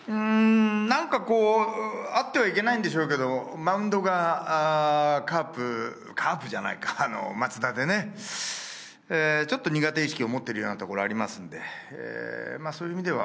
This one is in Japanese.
何かこう、あってはいけないんでしょうけれども、マウンドがカープ、カープじゃないか、マツダでね、ちょっと苦手意識を持ってるようなところがありますんで、そういう意味では